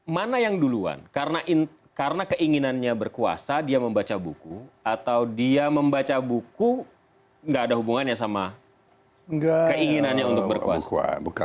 mana yang duluan karena keinginannya berkuasa dia membaca buku atau dia membaca buku gak ada hubungannya sama keinginannya untuk berkuasa